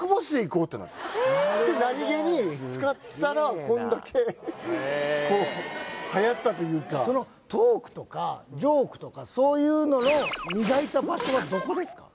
何気に使ったらこんだけへえこうはやったというかトークとかジョークとかそういうのの磨いた場所はどこですか？